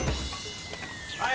はい